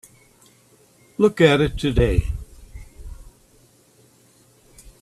Look at it today.